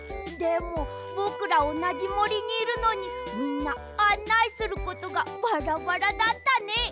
でもぼくらおなじもりにいるのにみんなあんないすることがバラバラだったね。